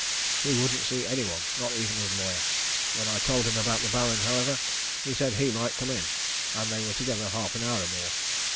He wouldn't see any one, not even his lawyer. When I told him about the Baron, however, he said he might come in, and they were together half an hour or more.